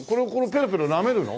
ペロペロなめるの？